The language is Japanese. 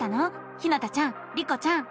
ひなたちゃんリコちゃん。